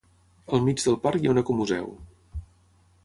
Al mig del parc hi ha un ecomuseu.